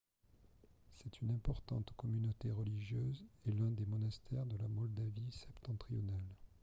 C'est une importante communauté religieuse et l'un des monastères de la Moldavie septentrionale.